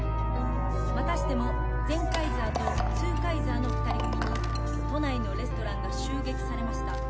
「またしてもゼンカイザーとツーカイザーの２人組に都内のレストランが襲撃されました」